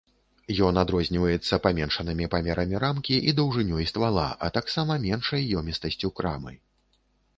Ён адрозніваецца паменшанымі памерамі рамкі і даўжынёй ствала, а таксама меншай ёмістасцю крамы.